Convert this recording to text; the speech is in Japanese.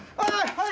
はい！